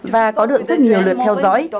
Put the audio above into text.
và có được rất nhiều lượt theo dõi